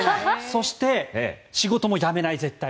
そして、仕事も辞めない、絶対。